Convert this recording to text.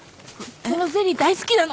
そのゼリー大好きなの。